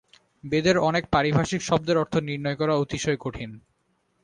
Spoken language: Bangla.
বেদের অনেক পারিভাষিক শব্দের অর্থ নির্ণয় করা অতিশয় কঠিন।